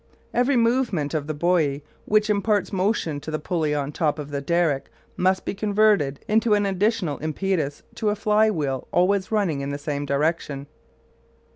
Every movement of the buoy which imparts motion to the pulley on top of the derrick must be converted into an additional impetus to a fly wheel always running in the same direction.